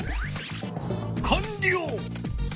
かんりょう！